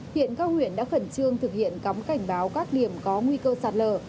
hiện các huyện đã khẩn trương thực hiện cắm cảnh báo các điểm có nguy cơ sạt lở